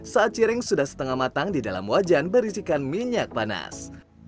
saat ciring sudah setengah matang di dalam wajan berisikan minyak panas